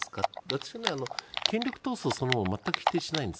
私は権力闘争そのものを全く否定しないんです。